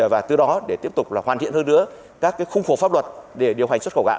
và từ đó để tiếp tục hoàn thiện hơn nữa các khung phổ pháp luật để điều hành xuất khẩu gạo